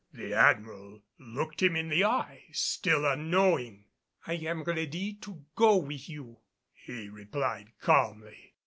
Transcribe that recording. The Admiral looked him in the eyes, still unknowing. "I am ready to go with you," he replied calmly.